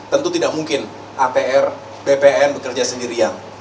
tentu tidak mungkin bpn bekerja sendirian